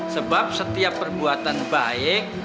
sebab setiap perbuatan baik